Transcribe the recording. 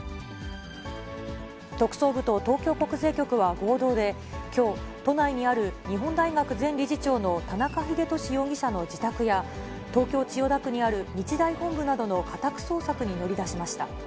特捜部と東京国税局は合同で、きょう、都内にある、日本大学前理事長の田中英壽容疑者の自宅や、東京・千代田区にある日大本部などの家宅捜索に乗り出しました。